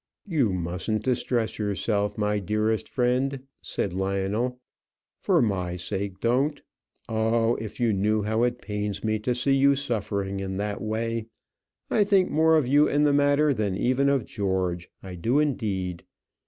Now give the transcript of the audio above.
"You mustn't distress yourself, my dearest friend," said Lionel. "For my sake, don't. Oh, if you knew how it pains me to see you suffering in that way! I think more of you in the matter than even of George; I do indeed."